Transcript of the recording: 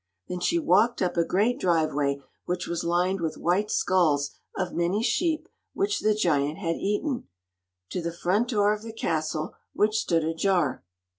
Then she walked up a great driveway, which was lined with white skulls of many sheep which the giant had eaten, to the front door of the castle, which stood ajar.